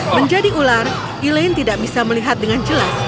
menjadi ular elaine tidak bisa melihat dengan jelas